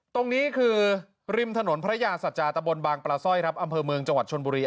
ตรงนี้คือริมถนนพระยาสัจจาตะบนบางปลาสร้อยครับอำเภอเมืองจังหวัดชนบุรี